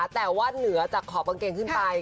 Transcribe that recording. แต่ว่าเหนือจากขอบกางเกงขึ้นไป